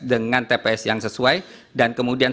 dengan tps yang sesuai dan kemudian